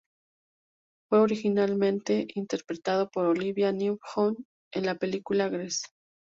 Fue originalmente interpretado por Olivia Newton-John en la película "Grease".